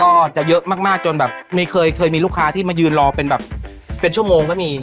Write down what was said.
ก็จะเยอะมากจนแบบเคยมีลูกค้าที่มายืนรอเป็นแบบเป็นชั่วโมงก็มี